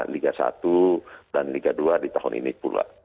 liga satu dan liga dua di tahun ini pula